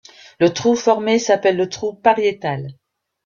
Le trou formé s'appelle le trou pariétal.